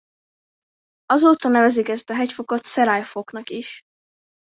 Azóta nevezik ezt a hegyfokot Szeráj-foknak is.